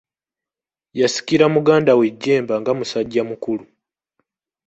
Yasikira muganda we Jjemba nga musajja mukulu.